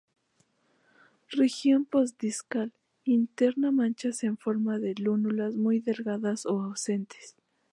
Región postdiscal interna manchas en forma de lúnulas muy delgadas o ausentes.